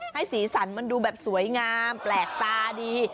สีสันมันดูแบบสวยงามแปลกตาดี